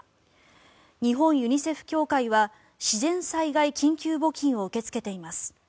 日本ユニセフ協会は自然災害緊急募金を受け付けています。